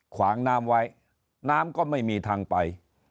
ขวางน้ำไว้น้ำก็ไม่มีทางไป